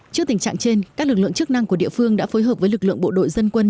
trước tình trạng trên các lực lượng chức năng của địa phương đã phối hợp với lực lượng bộ đội dân quân